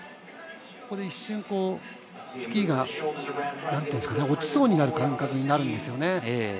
ここで一瞬スキーが落ちそうになる感覚になるんですよね。